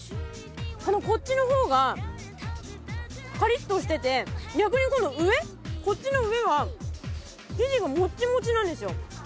このこっちの方がカリッとしてて逆にこの上こっちの上は生地がモッチモチなんですよ